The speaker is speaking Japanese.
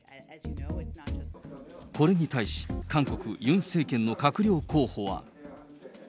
これに対し、韓国・ユン政権の閣僚候補は。